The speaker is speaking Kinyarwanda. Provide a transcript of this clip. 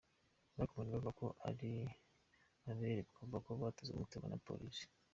Bakomeje kuvuga ko ari abere, bakavuga ko batezwe umutego na polisi.